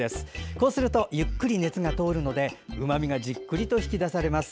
こうするとゆっくり熱が通るのでうまみがじっくりと引き出されます。